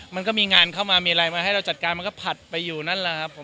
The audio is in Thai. มันก็มีงานเข้ามามีอะไรมาให้เราจัดการมันก็ผัดไปอยู่นั่นแหละครับผม